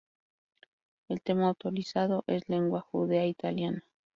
El tema autorizado es "lengua judeo-italiana".